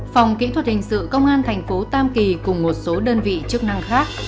phòng kỹ thuật hình sự công an thành phố tam kỳ cùng một số đơn vị chức năng khác